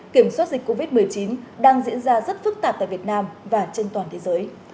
kiểm soát dịch covid một mươi chín đang diễn ra rất phức tạp tại việt nam và trên toàn thế giới